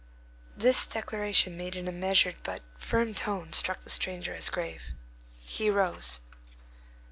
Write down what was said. This declaration, made in a measured but firm tone, struck the stranger as grave. He rose.